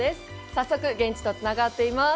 早速現地とつながっています。